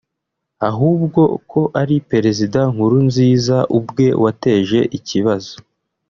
ahubwo ko ari Perezida Nkurunziza ubwe wateje ikibazo